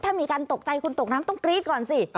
ถ้ามีการตกใจคุณตกน้ำต้องกรี๊ดก่อนสิ